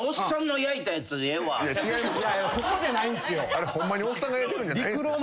あれホンマにおっさんが焼いてるんじゃない。